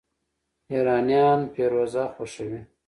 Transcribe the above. ایرانیان فیروزه خوښوي.